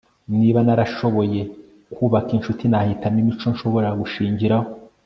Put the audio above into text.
niba narashoboye kubaka inshuti, nahitamo imico nshobora gushingiraho